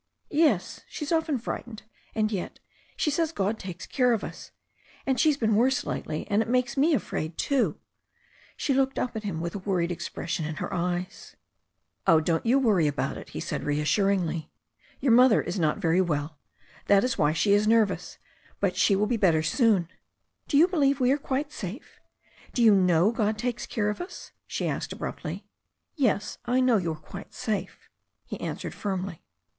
Yes, she's often frightened, and yet she says God takes care of us. And she's been worse lately, and it makes me afraid too." She looked up at him with a worried expres* sion in her eyes. "Oh, don't you worry about it," he said reassuringly. "] THE STORY OF A NEW ZEALAND RIVER 7$ "Your mother is not very well, that is why she is nervous. But she will be better soon." "Do you believe we are quite safe? Do you know God takes care of us?" she asked abruptly. "Yes, I know that you are quite safe," he answered firmly.